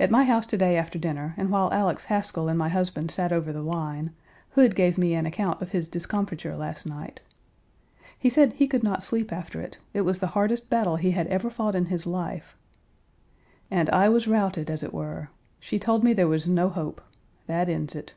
At my house to day after dinner, and while Alex Haskell and my husband sat over the wine, Hood gave me an account of his discomfiture last night. He said he could not sleep after it; it was the hardest battle he had ever fought in his life, "and I was routed, as it were; she told me there was no hope; that ends it.